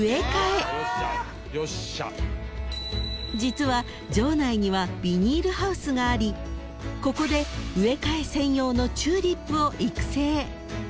［実は場内にはビニールハウスがありここで植え替え専用のチューリップを育成］